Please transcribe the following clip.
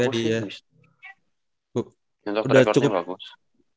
untuk track recordnya bagus